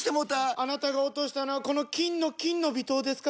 あなたが落としたのはこの金の「金の微糖」ですか？